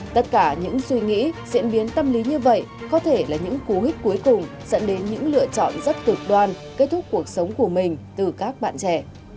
tất cả những suy nghĩ diễn biến tâm lý như vậy có thể là những cú hích cuối cùng dẫn đến những lựa chọn rất cực đoan kết thúc cuộc sống của mình từ các bạn trẻ